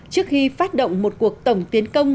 trước khi phát động một cuộc tổng tiến công